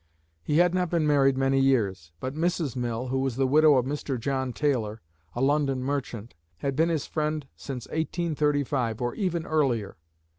He had not been married many years, but Mrs. Mill, who was the widow of Mr. John Taylor, a London merchant, had been his friend since 1835, or even earlier.